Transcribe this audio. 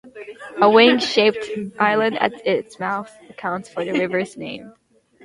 A wing-shaped island at its mouth accounts for the river's name.